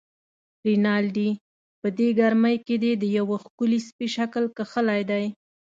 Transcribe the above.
رینالډي: په دې ګرمۍ کې دې د یوه ښکلي سپي شکل کښلی دی.